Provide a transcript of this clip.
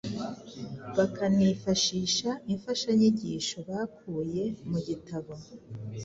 bakanifashisha imfashanyigisho bakuye mu gitabo